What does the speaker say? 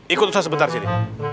ikut saya sebentar jadi